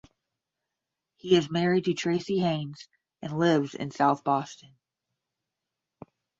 He is married to Tracee Hynes and lives in South Boston.